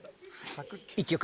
１曲。